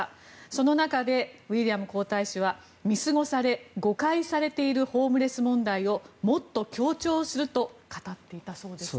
その中で、ウィリアム皇太子は見過ごされ誤解されているホームレス問題をもっと強調すると語ったんですね。